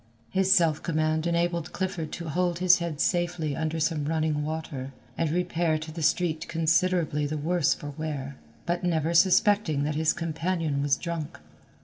His self command enabled Clifford to hold his head safely under some running water, and repair to the street considerably the worse for wear, but never suspecting that his companion was drunk.